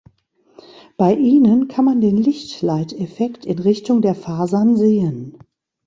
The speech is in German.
Bei ihnen kann man den Lichtleit-Effekt in Richtung der Fasern sehen.